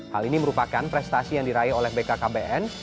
hal ini merupakan prestasi yang diraih oleh bkkbn